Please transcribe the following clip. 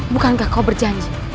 bukankah kau berjanji